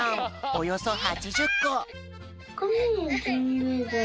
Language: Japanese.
およそ８０こ！